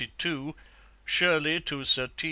Shirley to Sir T.